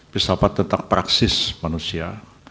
filsafat tentang praksis manusia